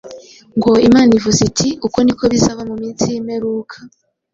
ngo ‘Imana ivuze iti: Uku ni ko bizaba mu minsi y’imperuka,